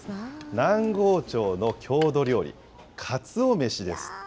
南郷町の郷土料理、かつおめしですって。